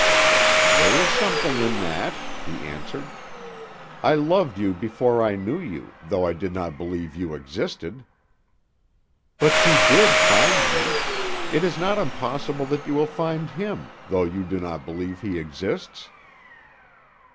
"There is something in that," he answered. "I loved you before I knew you, though I did not believe you existed." "But you did find me. Is it not possible that you will find Him, though you do not believe He exists?"